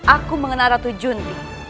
aku mengenal ratu junti